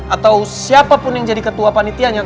atau siapapun yang jadi ketua panitianya